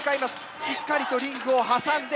しっかりとリングを挟んで装填。